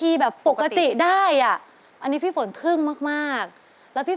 หัวใจพร้อมบ่ะค่ะ